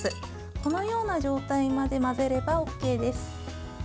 このような状態まで混ぜればＯＫです。